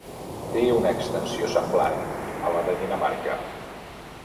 Té una extensió semblant a la de Dinamarca.